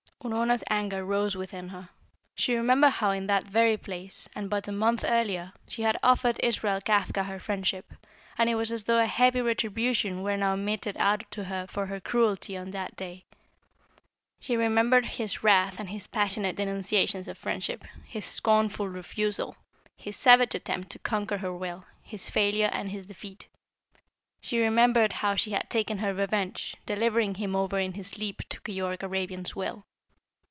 Unorna's anger rose within her. She remembered how in that very place, and but a month earlier, she had offered Israel Kafka her friendship, and it was as though a heavy retribution were now meted out to her for her cruelty on that day. She remembered his wrath and his passionate denunciations of friendship, his scornful refusal, his savage attempt to conquer her will, his failure and his defeat. She remembered how she had taken her revenge, delivering him over in his sleep to Keyork Arabian's will.